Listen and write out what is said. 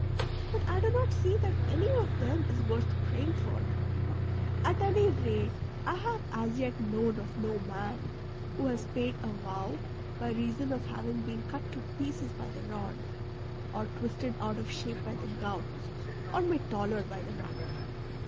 But I do not see that any of them is worth praying for. At any rate 1 have as yet known of no man who has paid a vow by reason of having been cut to pieces by the rod, or twisted out of shape bv the gout, or made taller by the rack."